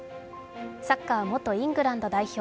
サッカー元イングランド代表